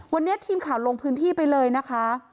วันนี้ทีมข่าวลงพื้นที่ไปเลยนะคะ